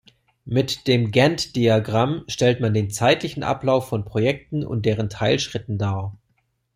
Mit dem Gantt-Diagramm stellt man den zeitlichen Ablauf von Projekten und deren Teilschritten dar.